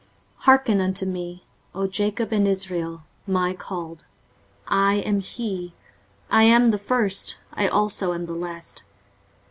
23:048:012 Hearken unto me, O Jacob and Israel, my called; I am he; I am the first, I also am the last.